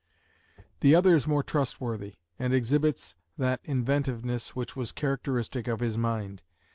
The other is more trustworthy, and exhibits that inventiveness which was characteristic of his mind.